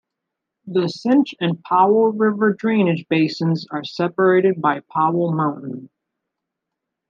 The Clinch and Powell River drainage basins are separated by Powell Mountain.